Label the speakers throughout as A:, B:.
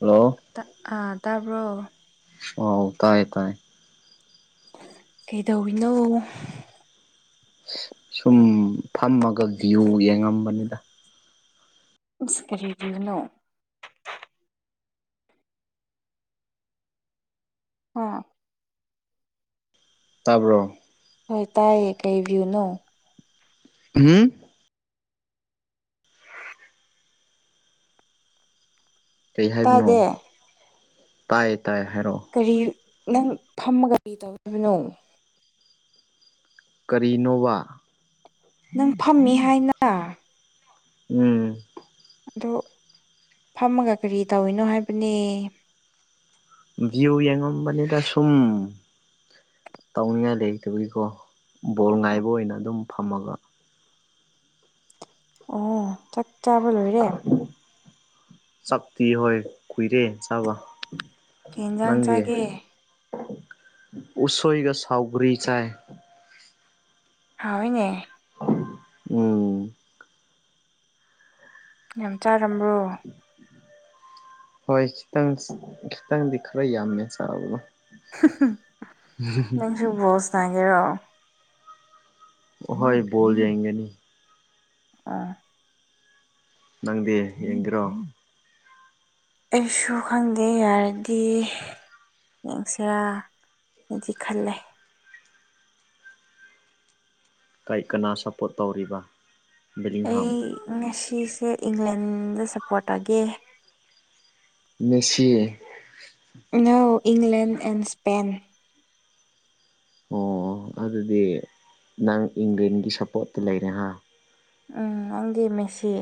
A: hello
B: ꯑ ꯇꯥꯕ꯭ꯔꯣ
A: ꯑꯣ ꯇꯥꯏꯌꯦ ꯇꯥꯏꯌꯦ
B: ꯀꯩꯗꯧꯔꯤꯅꯣ
A: ꯁꯨꯝ ꯐꯝꯃꯒ ꯚꯤꯎ ꯌꯦꯡꯉꯝꯕꯅꯤꯗ
B: ꯏꯁ ꯀꯔꯤ ꯚꯤꯌꯨꯅꯣ ꯍꯥ
A: ꯇꯥꯕ꯭ꯔꯣ
B: ꯍꯣꯏ ꯇꯥꯏꯌꯦ ꯀꯩ ꯕꯤꯌꯨꯅꯣ
A: ꯎꯝ ꯀꯩ ꯍꯥꯏꯕꯅꯣ
B: ꯇꯥꯗꯦ
A: ꯇꯥꯏ ꯇꯥꯏ ꯍꯥꯏꯔꯛꯑꯣ
B: ꯀꯔꯤ ꯅꯪ ꯐꯝꯃꯒ ꯀꯔꯤ ꯇꯧꯔꯤꯕꯅꯣ
A: ꯀꯔꯤꯅꯣꯕ
B: ꯅꯪ ꯐꯝꯃꯤ ꯍꯥꯏꯅ
A: ꯎꯝ
B: ꯑꯗꯣ ꯐꯝꯃꯒ ꯀꯔꯤ ꯇꯧꯔꯤꯅꯣ ꯍꯥꯏꯕꯅꯦ
A: ꯚꯤꯌꯨ ꯌꯦꯡꯉꯝꯕꯅꯤꯗ ꯁꯨꯝ ꯇꯧꯅꯤꯡꯉꯥꯏ ꯂꯩꯇꯒꯤꯀꯣ ꯕꯣꯜ ꯉꯥꯏꯕ ꯑꯣꯏꯅ ꯑꯗꯨꯝ ꯐꯝꯃꯒ
B: ꯑꯣ ꯆꯥꯛ ꯆꯥꯕ ꯂꯣꯏꯔꯦ
A: ꯆꯞꯇꯤ ꯍꯣꯏ ꯀꯨꯏꯔꯦ ꯆꯥꯕ
B: ꯀꯩ ꯏꯟꯖꯥꯡ
A: ꯅꯪꯗꯤ
B: ꯆꯥꯒꯦ
A: ꯎꯁꯣꯏꯒ ꯁꯥꯎꯒ꯭ꯔꯤ ꯆꯥꯏ
B: ꯍꯥꯎꯋꯤꯅꯦ
A: ꯎꯝ
B: ꯌꯥꯝ ꯆꯥꯔꯝꯕ꯭ꯔꯣ
A: ꯍꯣꯏ ꯈꯤꯇꯪ ꯈꯤꯇꯪꯗꯤ ꯈꯔ ꯌꯥꯝꯃꯦ ꯆꯥꯕꯗꯣ
B: ꯍꯨꯝꯍꯨꯝ ꯅꯪꯁꯨ ꯕꯣꯁ ꯁꯥꯟꯅꯒꯦꯔꯣ
A: ꯍꯣꯏ ꯕꯣꯜ ꯌꯦꯡꯒꯅꯤ
B: ꯑꯣ
A: ꯅꯪꯗꯤ ꯌꯦꯡꯒꯦꯔꯣ
B: ꯑꯩꯁꯨ ꯈꯪꯗꯦ ꯌꯥꯔꯗꯤ ꯌꯦꯡꯁꯤꯔꯥ ꯅꯗꯤ ꯈꯜꯂꯦ
A: ꯀꯩ ꯀꯅꯥ ꯁꯞꯄꯣꯔꯠ ꯇꯧꯔꯤꯕ ꯕꯦꯂꯤꯡꯍꯥꯝ
B: ꯑꯩ ꯉꯁꯤꯁꯦ ꯏꯪꯂꯦꯟꯗ ꯁꯞꯄꯣꯔꯠ ꯇꯧꯒꯦ
A: ꯃꯦꯁꯤ
B: ꯅꯣ ꯏꯪꯂꯦꯟ ꯑꯦꯟ ꯁ꯭ꯄꯦꯟ
A: ꯑꯣ ꯑꯗꯨꯗꯤ ꯅꯪ ꯏꯪꯂꯦꯟꯒꯤ ꯁꯞꯄꯣꯔꯠꯇ ꯂꯩꯔꯦꯍꯥ
B: ꯎꯝ ꯅꯪꯗꯤ ꯃꯦꯁꯤ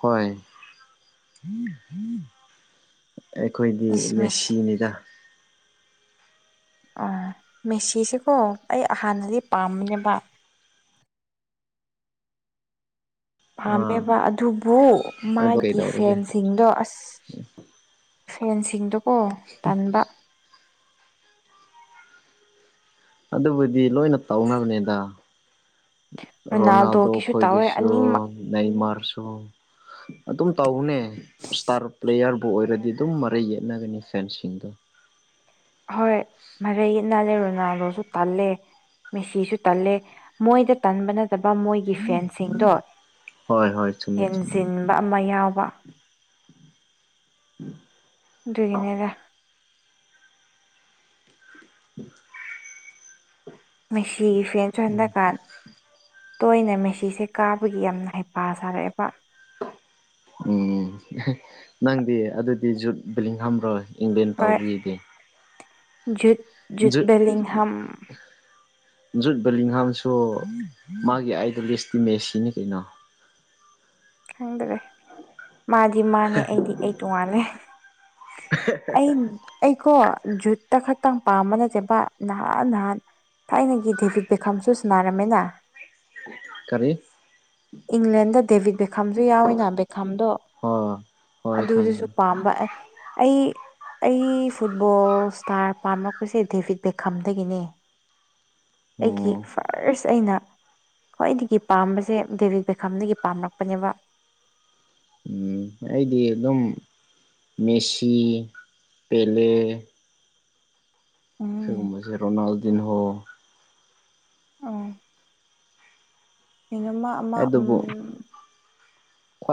A: ꯍꯣꯏ ꯑꯩꯈꯣꯏꯗꯤ
B: ꯏꯁ ꯃꯦꯁꯤ
A: ꯃꯦꯁꯤꯅꯤꯗ
B: ꯑꯥ ꯃꯦꯁꯤꯁꯤꯀꯣ ꯑꯩ ꯍꯥꯟꯅꯗꯤ ꯄꯥꯝꯕꯅꯦꯕ
A: ꯑꯥ
B: ꯄꯥꯝꯃꯦꯕ ꯑꯗꯨꯕꯨ
A: ꯑꯗꯨ
B: ꯃꯥꯒꯤ
A: ꯀꯩꯗꯧꯔꯒꯦ
B: ꯐꯦꯟꯁ ꯁꯤꯡꯗꯣ ꯑꯁ ꯐꯦꯟꯁꯤꯡꯗꯣ
A: [unintelligible] ꯑꯗꯨꯕꯨꯗꯤ ꯂꯣꯏꯅ ꯇꯧꯅꯕꯅꯦꯗ
B: ꯔꯣꯅꯥꯜꯗꯣꯒꯤꯁꯨ ꯇꯧꯋꯦ
A: ꯔꯣꯅꯥꯜꯗꯣꯈꯣꯏꯒꯤꯁꯨ
B: ꯑꯅꯤꯃꯛ
A: ꯅꯩꯃꯥꯔꯁꯨ ꯑꯗꯨꯝ ꯇꯧꯕꯅꯦ ꯏꯁꯇꯥꯔ ꯄ꯭ꯂꯦꯌꯥꯔꯕꯨ ꯑꯣꯏꯔꯗꯤ ꯑꯗꯨꯝ ꯃꯔꯩ ꯌꯦꯠꯅꯒꯅꯤ ꯐꯦꯟꯁꯤꯡꯗꯨ
B: ꯍꯣꯏ ꯃꯔꯩ ꯌꯦꯠꯅꯔꯦ ꯔꯣꯅꯥꯜꯗꯣꯁꯨ ꯇꯜꯂꯦ ꯃꯦꯁꯤꯁꯨ ꯇꯜꯂꯦ ꯃꯣꯏꯗ ꯇꯟꯕ ꯅꯠ ꯇꯕ ꯃꯣꯏꯒꯤ ꯐꯦꯟꯁꯤꯡꯗꯣ
A: ꯍꯣꯏ ꯍꯣꯏ ꯆꯨꯝꯃꯤ ꯆꯨꯝꯃꯤ
B: ꯍꯦꯟꯖꯤꯟ ꯕ ꯑꯃ ꯌꯥꯎꯕ ꯑꯗꯨꯒꯤꯅꯦꯗ
A: [unintelligible]
B: ꯃꯦꯁꯤꯒꯤ ꯐꯦꯟꯁꯨ ꯍꯟꯗꯛꯀꯥꯟ ꯇꯣꯏꯅ ꯃꯦꯁꯤꯁꯦ ꯀꯥꯕꯒꯤ ꯌꯥꯝꯅ ꯍꯩꯄꯥ ꯁꯥꯔꯛꯑꯦꯕ
A: ꯎꯝ ꯅꯪꯗꯤ ꯑꯗꯨꯗꯤ ꯖꯨꯠ ꯕꯤꯂꯤꯡꯒꯝꯔꯣ ꯏꯪꯂꯦꯟ ꯇꯧꯕꯒꯤꯗꯤ
B: ꯖꯨꯗ
A: ꯖꯨꯗ ꯖꯨꯠ ꯕꯦꯂꯤꯡꯒꯝꯁꯨ ꯃꯥꯒꯤ ꯑꯥꯏꯗꯣꯂꯤꯁꯇꯤ ꯃꯦꯁꯤꯅꯤ ꯀꯩꯅꯣ
B: ꯈꯪꯗ꯭ꯔꯦ ꯃꯥꯗꯤ ꯃꯥꯅꯦ ꯑꯩꯗꯤ ꯑꯩ ꯇꯣꯉꯥꯜꯂꯦ ꯑꯩ ꯑꯩꯀꯣ ꯖꯨꯠꯇ ꯈꯛꯇꯪ ꯄꯥꯝꯕ ꯅꯠꯇꯦꯕ ꯅꯍꯥꯟ ꯅꯍꯥꯟ ꯊꯥꯏꯅꯒꯤ ꯗꯦꯕꯤꯠ ꯕꯦꯈꯝꯁꯨ ꯁꯟꯅꯔꯝꯃꯦꯅ
A: ꯀꯔꯤ
B: ꯏꯪꯂꯦꯟꯗ ꯗꯦꯕꯤꯠ ꯕꯦꯈꯥꯝꯁꯨ ꯌꯥꯎꯋꯤꯅ ꯈꯥꯝꯗꯣ
A: ꯍꯣꯏ ꯍꯣꯏ ꯈꯪꯉꯦ
B: ꯑꯗꯨꯗꯨꯁꯨ ꯄꯥꯝꯕ ꯑꯩ ꯑꯩ ꯑꯩ ꯐꯨꯠꯕꯣꯜ ꯏꯁꯇꯥꯔ ꯄꯥꯝꯂꯛꯄꯁꯦ ꯗꯦꯚꯤꯠ ꯕꯦꯈꯥꯝꯗꯒꯤꯅꯦ ꯑꯩꯒꯤ
A: ꯑꯣ
B: ꯐꯥꯔꯁ ꯑꯩꯅ ꯈ꯭ꯋꯥꯏꯗꯒꯤ ꯄꯥꯝꯕꯁꯦ ꯗꯦꯕꯤꯛ ꯕꯦꯈꯥꯝꯗꯒꯤ ꯄꯥꯝꯔꯛꯄꯅꯦꯕ
A: ꯎꯝ ꯑꯩꯗꯤ ꯑꯗꯨꯝ ꯃꯦꯁꯤ ꯄꯦꯂꯦ
B: ꯎꯝ
A: ꯑꯁꯤꯒꯨꯝꯕꯁꯦ ꯔꯣꯅꯥꯜꯗꯤꯟꯍꯣ
B: ꯎꯝ ꯀꯩꯅꯣꯝꯃ ꯑꯃ ꯎꯝ
A: ꯑꯗꯨꯕꯨ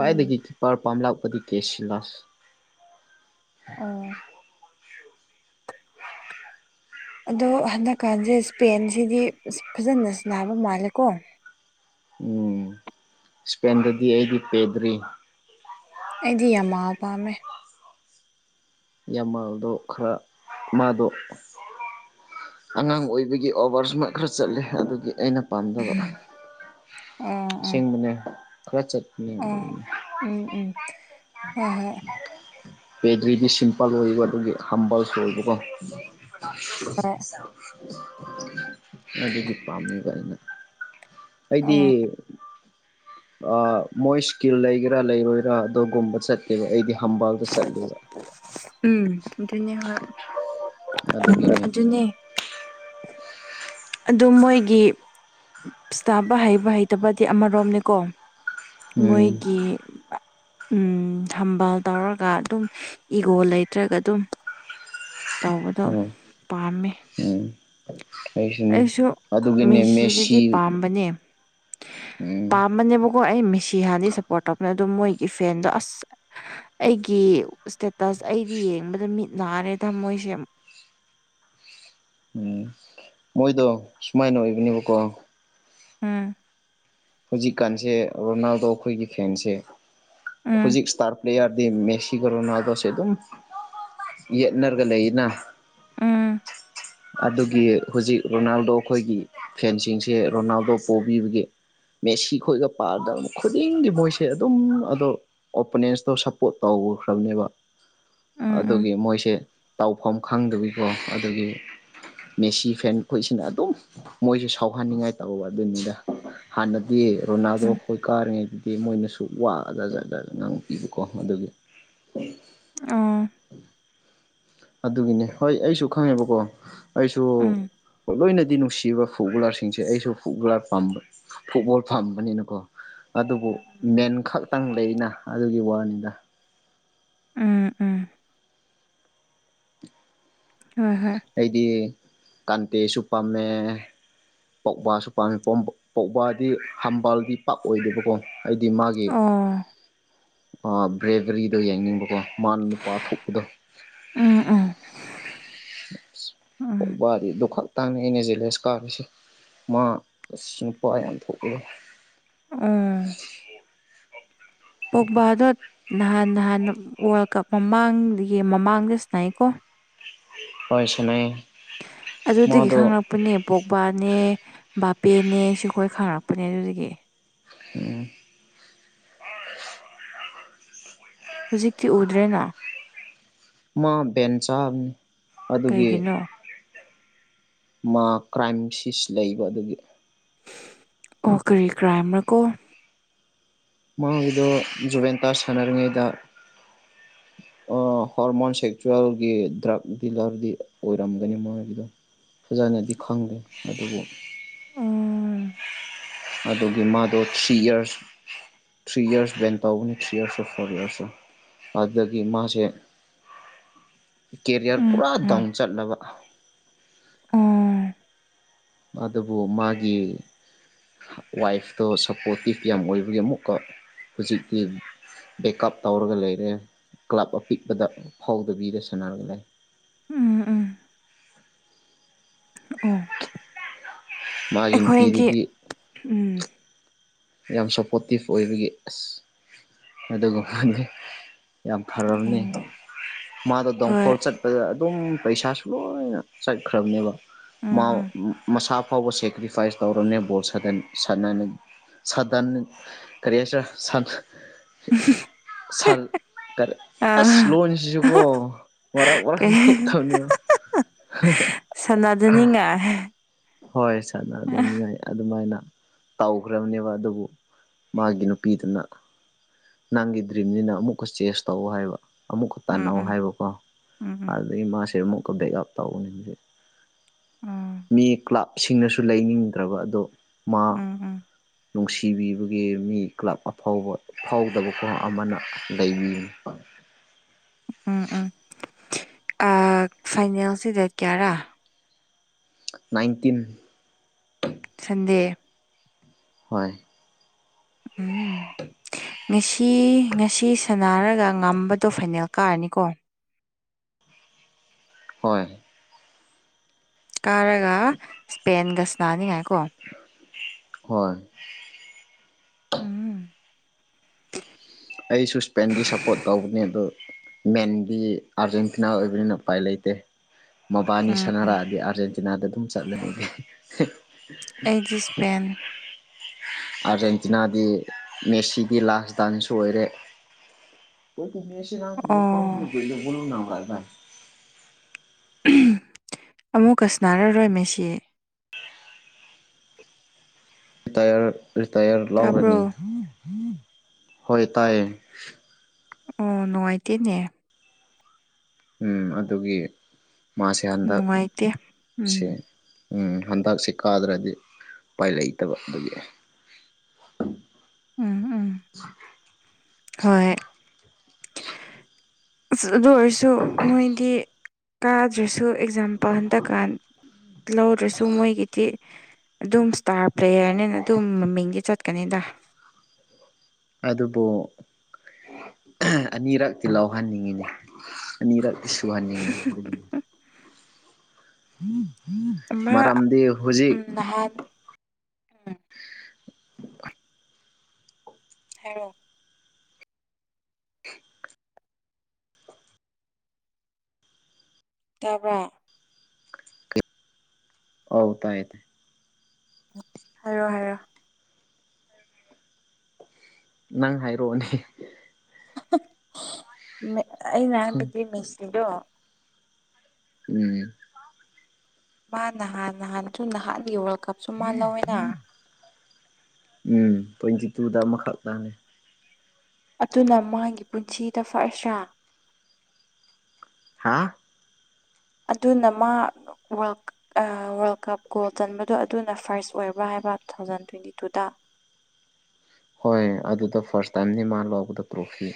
B: ꯎꯝ
A: ꯀꯤꯄꯔ ꯄꯥꯝꯂꯛꯄꯗꯤ ꯀꯦꯁꯤꯂꯥꯁ
B: ꯑꯣ ꯑꯗꯣ ꯍꯟꯗꯛꯀꯥꯟꯁꯦ ꯏꯁꯄꯦꯟꯁꯤꯗꯤ ꯐꯖꯅ ꯁꯥꯟꯅꯕ ꯃꯥꯜꯂꯦꯀꯣ
A: ꯎꯝ ꯏꯁꯄꯦꯟꯗꯗꯤ ꯑꯩꯗꯤ ꯄꯦꯗ꯭ꯔꯤ
B: ꯑꯩꯗꯤ ꯌꯥꯝꯃꯥ ꯄꯥꯝꯃꯦ
A: ꯌꯥꯝꯃꯜꯗꯣ ꯈꯔ ꯃꯥꯗꯣ [unintelligible] [unintelligible] ꯑꯉꯥꯡ ꯑꯣꯏꯕꯒꯤ ꯑꯣꯚꯔ ꯏꯁꯃꯥꯔꯠ ꯈꯔ ꯆꯠꯂꯦ ꯑꯗꯨꯒꯤ ꯑꯩꯅ ꯄꯥꯝꯗꯕ
B: ꯑꯣ ꯎꯝ
A: ꯑꯁꯦꯡꯕꯅꯦ ꯈꯔ ꯆꯠꯄꯅꯦ
B: ꯑꯣ
A: ꯑꯗꯨꯒꯤ
B: ꯎꯝ ꯎꯝ ꯍꯣꯏ ꯍꯣꯏ
A: [unintelligible] ꯄꯦꯗ꯭ꯔꯤꯗꯤ ꯁꯤꯝꯄꯜ ꯑꯣꯏꯌꯦꯕ ꯑꯗꯨꯒꯤ ꯍꯝꯕꯜꯁꯨ ꯑꯣꯏꯕꯀꯣ
B: ꯍꯣꯏ
A: [unintelligible] ꯑꯗꯨꯒꯤ ꯄꯥꯝꯃꯤꯕ ꯑꯩꯅ ꯑꯩꯗꯤ
B: ꯑꯣ
A: ꯑꯥ ꯃꯣꯏ ꯏꯁꯀꯤꯜ ꯂꯩꯒꯦꯔꯥ ꯂꯩꯔꯣꯏꯔꯥ ꯑꯗꯨꯒꯨꯝꯕ ꯆꯠꯇꯦꯕ ꯑꯩꯗꯤ ꯍꯝꯕꯥꯜꯗ ꯆꯠꯂꯦꯕ
B: ꯎꯝ ꯑꯗꯨꯅꯦ ꯍꯣꯏ
A: ꯑꯗꯨꯒꯤꯅꯦ
B: ꯑꯗꯨꯅꯦ ꯑꯗꯨ ꯃꯣꯏꯒꯤ ꯏꯁꯇꯥꯕ ꯍꯩꯕ ꯍꯩꯇꯕꯗꯤ ꯑꯃꯔꯣꯝꯅꯤꯀꯣ
A: ꯎꯝ
B: ꯃꯣꯏꯒꯤ ꯎꯝ ꯍꯝꯕꯥꯜ ꯇꯧꯔꯒ ꯑꯗꯨꯝ ꯏꯒꯣ ꯂꯩꯇ꯭ꯔꯒ ꯑꯗꯨꯝ ꯇꯧꯕꯗꯣ
A: ꯎꯝ
B: ꯄꯥꯝꯃꯦ
A: ꯎꯝ ꯑꯩꯁꯨꯅꯦ
B: ꯑꯩꯁꯨ
A: ꯑꯗꯨꯒꯤꯅꯦ ꯃꯦꯁꯤ
B: ꯃꯦꯁꯤꯗꯗꯤ ꯄꯥꯝꯕꯅꯦ
A: ꯎꯝ
B: ꯄꯥꯝꯕꯅꯦꯕꯀꯣ ꯑꯩ ꯃꯦꯁꯤ ꯍꯥꯟꯗꯤ ꯁꯞꯄꯣꯔꯠ ꯇꯧꯕꯅꯦ ꯑꯗꯣ ꯃꯣꯏꯒꯤ ꯐꯦꯟꯗꯣ ꯑꯁ ꯑꯩꯒꯤ ꯏꯁꯇꯦꯇꯁ ꯑꯩꯗꯤ ꯌꯦꯡꯕꯗ ꯃꯤꯠ ꯅꯥꯔꯦ ꯊꯃꯣꯏꯁꯦ
A: ꯑꯣ ꯃꯣꯏꯗꯣ ꯁꯨꯃꯥꯏꯅ ꯑꯣꯏꯕꯅꯦꯕꯀꯣ
B: ꯎꯝ
A: ꯍꯧꯖꯤꯛꯀꯥꯟꯁꯦ ꯔꯣꯅꯥꯜꯗꯣ ꯑꯩꯈꯣꯏꯒꯤ ꯐꯦꯟꯁꯦ
B: ꯎꯝ
A: ꯍꯧꯖꯤꯛ ꯏꯁꯇꯥꯔ ꯄ꯭ꯂꯦꯌꯥꯔꯗꯤ ꯃꯦꯁꯤꯒ ꯔꯣꯅꯥꯜꯗꯣꯁꯦ ꯑꯗꯨꯝ ꯌꯦꯠꯅꯔꯒ ꯂꯩꯅ
B: ꯎꯝ
A: ꯑꯗꯨꯒꯤ ꯍꯧꯖꯤꯛ ꯔꯣꯅꯥꯜꯗꯣ ꯑꯩꯈꯣꯏꯒꯤ ꯐꯦꯟꯁꯤꯡꯁꯦ ꯔꯣꯅꯥꯜꯗꯣ ꯄꯣꯕꯤꯕꯒꯤ ꯃꯦꯁꯤ ꯈꯣꯏꯒ ꯄꯥꯕꯗ ꯈꯨꯗꯤꯡꯒꯤ ꯃꯣꯏꯁꯦ ꯑꯗꯨꯝ ꯑꯗꯣ ꯑꯣꯄꯣꯅꯦꯟꯁꯇꯣ ꯁꯞꯄꯣꯔꯠ ꯇꯧꯈ꯭ꯔꯕꯅꯦꯕ
B: ꯎꯝ ꯎꯝ
A: ꯑꯗꯨꯒꯤ ꯃꯣꯏꯁꯦ ꯇꯧꯐꯝ ꯈꯪꯗꯕꯤꯀꯣ ꯑꯗꯨꯒꯤ ꯃꯦꯁꯤ ꯐꯦꯟ ꯈꯣꯏꯁꯤꯅ ꯑꯗꯨꯝ ꯃꯣꯏꯁꯨ ꯁꯥꯎꯍꯟꯅꯤꯡꯉꯥꯏ ꯇꯧꯕ ꯑꯗꯨꯅꯤꯗ ꯍꯥꯟꯅꯗꯤ ꯔꯣꯅꯥꯜꯗꯣ
B: ꯎꯝ
A: ꯈꯣꯏ ꯀꯥꯔꯤꯉꯩꯗꯨꯗꯤ ꯃꯣꯏꯅꯁꯨ ꯋꯥ ꯖꯥꯠꯖꯥꯠ ꯉꯥꯡꯄꯤꯕꯀꯣ ꯑꯗꯨꯒꯤ
B: ꯑꯥ
A: ꯑꯗꯨꯒꯤꯅꯦ ꯍꯣꯏ ꯑꯩꯁꯨ ꯈꯪꯉꯦꯕꯀꯣ ꯑꯩꯁꯨ
B: ꯎꯝ
A: ꯂꯣꯏꯅꯗꯤ ꯅꯨꯡꯁꯤꯕ ꯐꯨꯠ ꯕꯣꯂꯥꯔꯁꯤꯡꯁꯦ ꯑꯩꯁꯨ ꯐꯨꯠꯕꯣꯂꯥꯔ ꯄꯥꯝꯕ ꯐꯨꯠꯕꯣꯜ ꯄꯥꯝꯕꯅꯤꯅꯀꯣ ꯑꯗꯨꯕꯨ ꯃꯦꯟ ꯈꯛꯇꯪ ꯂꯩꯅ ꯑꯗꯨꯒꯤ ꯋꯥꯅꯤꯗ
B: ꯎꯝ ꯎꯝ ꯍꯣꯏ ꯍꯣꯏ
A: ꯑꯩꯗꯤ ꯀꯥꯟꯇꯦꯁꯨ ꯄꯥꯝꯃꯦ ꯄꯧꯕꯥꯁꯨ ꯄꯥꯝꯃꯦ [unintelligible] ꯄꯧꯕꯥꯗꯤ ꯍꯝꯕꯥꯜꯗꯤ ꯄꯥꯛ ꯑꯣꯏꯗꯦꯕꯀꯣ ꯍꯥꯏꯗꯤ ꯃꯥꯒꯤ
B: ꯑꯣ
A: ꯕ꯭ꯔꯦꯕꯔꯤꯗꯣ ꯌꯥꯡꯅꯤꯡꯕꯀꯣ ꯃꯥꯅ ꯅꯨꯄꯥ ꯊꯣꯛꯄꯗꯣ
B: ꯎꯝ ꯎꯝ ꯎꯝ
A: ꯄꯧꯕꯥꯗꯤ ꯑꯗꯨ ꯈꯥꯛ ꯇꯪꯅꯤ ꯑꯩꯅ ꯖꯦꯂꯦꯁ ꯀꯥꯈ꯭ꯔꯤꯁꯦ ꯃꯥ ꯑꯁꯤ ꯅꯨꯄꯥ ꯌꯥꯝ ꯊꯣꯛꯂꯦ
B: ꯎꯝ ꯄꯣꯛꯕꯗꯣ ꯅꯍꯥꯟ ꯅꯍꯥꯟ ꯋꯥꯔꯜ ꯀꯞ ꯃꯃꯥꯡꯒꯤ ꯃꯃꯥꯡꯗ ꯁꯥꯟꯅꯩꯀꯣ
A: ꯍꯣꯏ ꯁꯥꯟꯅꯩꯌꯦ
B: ꯑꯗꯨꯗꯒꯤ ꯈꯪꯪꯂꯛꯄꯅꯦ ꯄꯣꯛꯕꯥꯅꯦ ꯕꯥꯄꯦꯅꯦ ꯁꯤꯈꯣꯏ ꯈꯪꯉꯔꯛꯄꯅꯦ ꯑꯗꯨꯗꯒꯤ
A: ꯎꯝ
B: ꯍꯧꯨꯖꯤꯛꯀꯤ ꯎꯗ꯭ꯔꯦꯅ
A: ꯃꯥ ꯚꯦꯟ ꯆꯥꯕꯅꯤ ꯑꯗꯨꯒꯤ
B: ꯀꯩꯒꯤꯅꯣ
A: ꯃꯥ ꯀ꯭ꯔꯥꯏꯝꯁꯤꯁ ꯂꯩꯕ ꯑꯗꯨꯒꯤ
B: ꯑꯣ ꯀꯔꯤ ꯀ꯭ꯔꯥꯏꯝꯔꯥ ꯀꯣ
A: ꯃꯥꯒꯤꯗꯣ ꯖꯨꯕꯦꯟꯇꯥꯁ ꯁꯥꯟꯅꯔꯤꯉꯩꯗ ꯍꯣꯔꯃꯣꯟ ꯁꯦꯛꯆꯨꯋꯦꯜꯒꯤ ꯗ꯭ꯔꯛ ꯗꯤꯂꯔꯒꯤ ꯑꯣꯏꯔꯝꯒꯅꯤ ꯃꯥꯒꯤꯗꯣ ꯐꯖꯅꯗꯤ ꯈꯪꯗꯦ ꯑꯗꯨꯕꯨ
B: ꯎꯝ
A: ꯑꯗꯨꯒꯤ ꯃꯥꯗꯣ ꯊꯔꯤꯌꯥꯔ ꯊ꯭ꯔꯤ ꯌꯥꯔꯁ ꯕꯦꯟ ꯇꯧꯕꯅꯤ ꯊ꯭ꯔꯤ ꯌꯥꯔꯔꯥ ꯐꯣꯔ ꯌꯥꯔꯁ ꯂꯥ ꯑꯗꯨꯗꯒꯤ ꯃꯥꯁꯦ ꯀꯦꯔꯤꯌꯥꯔ
B: ꯎꯝ
A: ꯄꯨꯔꯥ
B: ꯎꯝ
A: ꯗꯥꯎꯟ ꯆꯠꯂꯕ
B: ꯎꯝ
A: ꯑꯗꯨꯕꯨ ꯃꯥꯒꯤ ꯋꯥꯏꯐꯇꯣ ꯁꯞꯄꯣꯔꯇꯤꯞ ꯌꯥꯝ ꯑꯣꯏꯕꯒꯤ ꯑꯃꯨꯛꯀꯥ ꯍꯧꯖꯤꯛꯇꯤ ꯕꯦꯛꯀꯞ ꯇꯧꯔꯒ ꯂꯩꯔꯦ ꯀ꯭ꯂꯕ ꯑꯄꯤꯛꯄꯗ ꯐꯥꯎꯗꯕꯤꯗ ꯁꯥꯟꯅꯔꯒ ꯂꯩ
B: ꯎꯝ ꯑꯣ
A: ꯃꯥꯒꯤ
B: ꯑꯩꯈꯣꯏꯒꯤ
A: ꯅꯨꯄꯤꯗꯨꯗꯤ
B: ꯎꯝ
A: ꯌꯥꯝ ꯁꯞꯄꯣꯔꯇꯤꯞ ꯑꯣꯏꯕꯒꯤ ꯑꯁ ꯑꯗꯨꯒꯃꯥꯗꯤ ꯌꯥꯝ ꯐꯔꯕꯅꯤ
B: ꯎꯝ
A: ꯃꯥꯗꯣ
B: ꯍꯣꯏ
A: ꯗꯣꯡꯐꯣꯜ ꯑꯗꯥ ꯑꯗꯨꯝ ꯄꯩꯁꯥꯁꯨ ꯂꯣꯏꯅ ꯆꯠꯈ꯭ꯔꯕꯅꯦ
B: ꯎꯝ ꯎꯝ
A: ꯃꯁꯥ ꯐꯥꯎ ꯁꯦꯀ꯭ꯔꯤꯐꯥꯏꯁ ꯇꯧꯔꯕꯅꯦ ꯕꯣꯜ ꯁꯟꯗꯥꯟ ꯀꯔꯤ ꯍꯥꯏꯁꯤꯔꯥ ꯁꯥꯟ
B: ꯑ
A: ꯑꯁ ꯂꯣꯟꯁꯤꯁꯨꯀꯣ ꯃꯔꯛ ꯃꯔꯛꯇꯥ
B: ꯀꯩ
A: ꯊꯣꯛꯇꯥꯕꯥꯅꯦꯕꯥ
B: [unintelligible]
A: ꯍꯣꯏ ꯁꯥꯟꯅꯗꯥꯅꯤꯡꯉꯥꯏ ꯑꯗꯨꯃꯥꯏꯅ ꯇꯧꯈ꯭ꯔꯕꯅꯦꯕ ꯑꯗꯨꯕꯨ ꯃꯥꯒꯤ ꯅꯨꯄꯤꯗꯨꯅ ꯅꯪꯒꯤ ꯗ꯭ꯔꯤꯝꯅꯤꯅ ꯑꯃꯨꯛꯀ ꯆꯦꯖ ꯇꯧꯋ ꯍꯥꯏꯕ ꯑꯃꯨꯛꯀꯥ
B: ꯎꯝ
A: ꯇꯥꯟꯅꯎ
B: ꯎꯝ
A: ꯍꯥꯏꯕꯀꯣ
B: ꯎꯝ ꯎꯝ
A: ꯑꯗꯨꯗꯒꯤ ꯃꯥꯁꯦ ꯑꯃꯨꯛꯀꯥ ꯕꯦꯛꯑꯞ ꯇꯧꯕꯅꯤ
B: ꯎꯝ
A: ꯃꯤ ꯀ꯭ꯂꯕ ꯁꯤꯡꯅꯁꯨ ꯂꯩꯅꯤꯡꯗ꯭ꯔꯕ ꯑꯗꯣ ꯃꯥ
B: ꯎꯝ
A: ꯅꯨꯡꯁꯤꯕꯤꯕꯒꯤ ꯃꯤ ꯀ꯭ꯂꯕ ꯑꯐꯥꯎꯕ ꯑꯐꯥꯎꯗꯕ ꯀꯣ ꯑꯃꯅ ꯂꯩꯕꯤꯕꯥ
B: ꯎꯝ ꯎꯝ ꯑꯥ ꯐꯥꯏꯅꯦꯜꯁꯦ ꯗꯦꯠ ꯀꯌꯥꯔꯥ
A: ꯅꯥꯏꯟꯇꯤꯟ
B: ꯁꯟꯗꯦ
A: ꯍꯣꯏ
B: ꯎꯝ ꯉꯁꯤ ꯉꯁꯤ ꯁꯥꯅꯔꯒ ꯉꯝꯕꯗꯣ ꯐꯥꯏꯅꯦꯜ ꯀꯥꯔꯅꯤꯀꯣ
A: ꯍꯣꯏ
B: ꯀꯥꯔꯒ ꯁ꯭ꯄꯦꯟꯒ ꯁꯅꯥꯅꯤꯡꯉꯥꯏꯀꯣ
A: ꯍꯣꯏ
B: ꯎꯝ
A: ꯑꯩꯁꯨ ꯁꯄꯦꯟꯗꯤ ꯁꯞꯄꯣꯔꯠ ꯇꯧꯕꯅꯦ ꯑꯗꯣ ꯃꯦꯟꯗꯤ ꯑꯥꯔꯖꯦꯟꯇꯤꯅꯥ ꯑꯣꯏꯕꯅꯤꯅ ꯎꯄꯥꯏ ꯂꯩꯇꯦ ꯃꯕꯥꯅꯤ
B: ꯎꯝ
A: ꯁꯥꯟꯅꯔꯛꯑꯗꯤ ꯑꯥꯔꯖꯦꯟꯇꯤꯅꯥꯗ ꯑꯗꯨꯝ ꯆꯠꯂꯦ
B: ꯑꯩꯗꯤ ꯏꯁꯄꯦꯟ
A: [unintelligible] ꯑꯥꯔꯖꯦꯟꯇꯤꯅꯥꯗꯤ ꯃꯦꯁꯤꯒꯤ ꯂꯥꯁ ꯗꯥꯟꯁꯁꯨ ꯑꯣꯏꯔꯦ
B: ꯑꯣ
A: [unintelligible]
B: ꯑꯃꯨꯛꯀꯥ ꯁꯅꯥꯔꯥꯔꯣꯏ ꯃꯦꯁꯤ
A: ꯔꯤꯇꯥꯌꯔ ꯔꯤꯇꯥꯌꯔ
B: ꯇꯥꯕ꯭ꯔꯣ
A: ꯂꯥꯎꯔꯅꯤ ꯍꯣꯏ ꯇꯥꯏꯌꯦ
B: ꯑꯣ ꯅꯨꯡꯉꯥꯏꯇꯦꯅꯦ
A: ꯎꯝ ꯑꯗꯨꯒꯤ ꯃꯥꯁꯦ ꯍꯟꯗꯛ
B: ꯅꯨꯡꯉꯥꯏꯇꯦ
A: ꯁꯦ
B: ꯎꯝ
A: ꯎꯝ ꯍꯟꯇꯛꯁꯦ ꯀꯥꯗ꯭ꯔꯗꯤ ꯎꯄꯥꯏ ꯂꯩꯛꯇꯕ ꯑꯗꯨꯒꯤ
B: ꯎꯝ ꯎꯝ ꯍꯣꯏ
A: [inaudible]
B: ꯑꯁ ꯑꯗꯨ ꯑꯣꯏꯔꯁꯨ ꯃꯣꯏꯗꯤ ꯀꯥꯗ꯭ꯔꯁꯨ ꯑꯦꯛꯖꯥꯝ ꯄꯍꯟꯗꯀꯥꯟ ꯂꯧꯗ꯭ꯔꯁꯨ ꯃꯣꯏꯒꯤꯗꯤ ꯑꯗꯨꯝ ꯏꯁꯇꯥꯔ ꯄ꯭ꯂꯦꯌꯔꯅꯤꯅ ꯑꯗꯨꯝ ꯃꯃꯤꯡꯗꯤ ꯆꯠꯀꯅꯤꯗ
A: ꯑꯗꯨꯕꯨ ꯑꯅꯤꯔꯛꯇꯤ ꯂꯧꯍꯟꯅꯤꯡꯉꯤꯅꯦ ꯑꯅꯤꯔꯛꯇꯤ ꯁꯨꯨꯍꯟ [unintelligible]
B: ꯑꯃ
A: ꯃꯔꯝꯗꯤ ꯍꯧꯖꯤꯛ
B: ꯎꯝ ꯅꯍꯥꯟ ꯎꯝ ꯍꯥꯏꯔꯣ ꯇꯥꯕ꯭ꯔ
A: ꯍꯧ ꯇꯥꯏ ꯇꯥ
B: ꯍꯥꯏꯔꯣ ꯍꯥꯏꯔꯣ
A: ꯅꯪ ꯍꯥꯏꯔꯛꯑꯣꯅꯦ
B: [unintelligible] ꯃꯦ ꯑꯩꯅ ꯍꯥꯏꯕꯗꯤ ꯃꯦꯁꯤꯗꯣ
A: ꯎꯝ
B: ꯃꯥ ꯅꯍꯥꯟ ꯅꯍꯥꯟꯁꯨ ꯅꯍꯥꯟꯒꯤ ꯋꯥꯔꯜ ꯀꯞꯁꯨ ꯃꯥ ꯂꯧꯋꯦꯅ
A: ꯎꯝ ꯇ꯭ꯋꯦꯟꯇꯤ ꯇꯨꯗ ꯑꯃ ꯈꯛꯇꯅꯦ
B: ꯑꯗꯨꯅ ꯃꯥꯒꯤ ꯄꯨꯟꯁꯤꯗ ꯐ꯭ꯔꯁ ꯔꯥ
A: ꯍꯥꯥ
B: ꯑꯗꯨꯅ ꯃꯥ ꯋꯥꯔꯜ ꯑ ꯋꯥꯔꯜ ꯀꯞ ꯒꯣꯜ ꯆꯟꯕꯗꯣ ꯑꯗꯨꯅ ꯐꯥꯔꯁ ꯑꯣꯏꯕ꯭ꯔꯥ ꯍꯥꯏꯕ ꯇꯨ ꯊꯥꯎꯖꯟ ꯇꯨ ꯇ꯭ꯋꯦꯟꯇꯤ ꯇꯨꯗ
A: ꯍꯣꯏ ꯑꯗꯨꯗ ꯐꯥꯔꯁ ꯇꯥꯏꯝꯅꯤ ꯃꯥ ꯂꯧꯕꯗ ꯇ꯭ꯔꯣꯐꯤ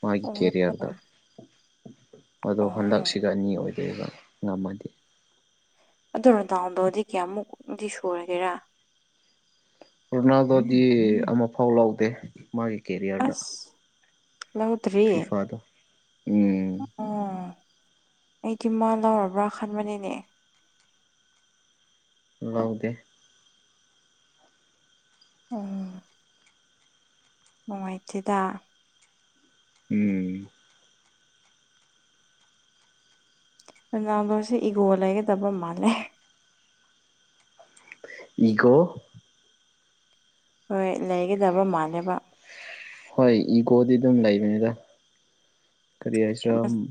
A: ꯃꯥꯒꯤ
B: ꯑꯣ
A: ꯀꯦꯔꯤꯌꯔꯗ ꯑꯗꯣ
B: ꯑꯣ
A: ꯍꯟꯗꯛꯁꯤꯒ ꯑꯅꯤ ꯑꯣꯏꯗꯣꯏꯕ ꯉꯝꯃꯗꯤ
B: ꯑꯗꯨ ꯔꯣꯅꯥꯟꯗꯣꯗꯤ ꯀꯌꯥꯃꯨꯛꯗꯤ ꯁꯨꯔꯒꯦꯔꯥ
A: ꯔꯣꯅꯥꯜꯗꯣꯗꯤ ꯑꯃꯐꯥꯎ ꯂꯧꯗꯦ ꯃꯥꯒꯤ ꯀꯦꯔꯤꯌꯔꯗ
B: ꯑꯁ ꯂꯧꯗ꯭ꯔꯤ
A: ꯐꯤꯐꯥꯗꯣ ꯎꯝ
B: ꯑꯣ ꯑꯩꯗꯤ ꯃꯥ ꯂꯧꯔꯕ꯭ꯔꯥ ꯈꯟꯕꯅꯤꯅꯦ
A: ꯂꯧꯗꯦ
B: ꯑꯣ ꯅꯨꯡꯉꯥꯏꯇꯦꯗ
A: ꯎꯝ
B: ꯔꯣꯅꯥꯥꯟꯗꯣꯁꯦ ꯏꯒꯣ ꯂꯩꯒꯗꯕ ꯃꯥꯜꯂꯦ
A: ꯏꯒꯣ
B: ꯍꯣꯏ ꯂꯩꯒꯗꯕ ꯃꯥꯜꯂꯦꯕ
A: ꯍꯣꯏ ꯏꯒꯣꯗꯤ ꯑꯗꯨꯝ ꯂꯩꯕꯅꯤꯗ ꯀꯔꯤ ꯍꯥꯏꯁꯤꯔꯥ